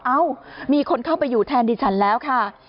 เอ้ามีคนเข้าไปอยู่แทนดิฉันแล้วค่ะ